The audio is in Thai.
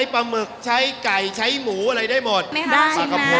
ปลาท่องโกไม่ได้นะ